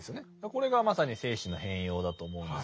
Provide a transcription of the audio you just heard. これがまさに精神の変容だと思うんですよね。